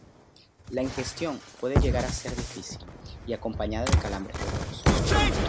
La ingestión puede llegar a ser difícil y acompañada de calambres dolorosos.